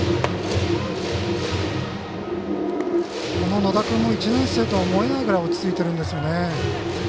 野田君も１年生とは思えないくらい落ち着いてるんですよね。